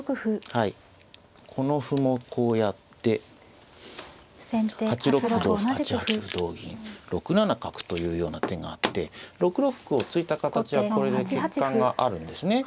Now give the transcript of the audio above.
はいこの歩もこうやって８六歩同歩８八歩同銀６七角というような手があって６六歩を突いた形はこれで欠陥があるんですね。